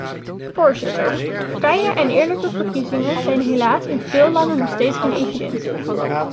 Voorzitter, vrije en eerlijke verkiezingen zijn helaas in veel landen nog steeds geen evidentie.